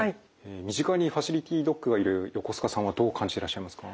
身近にファシリティドッグがいる横須賀さんはどう感じてらっしゃいますか？